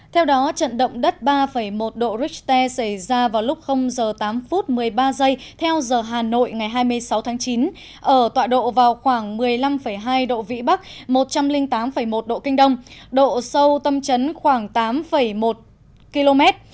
theo đó trận động đất ba một độ richter xảy ra vào lúc h tám phút một mươi ba giây theo giờ hà nội ngày hai mươi sáu tháng chín ở tọa độ vào khoảng một mươi năm hai độ vĩ bắc một trăm linh tám một độ kinh đông độ sâu tâm chấn khoảng tám một km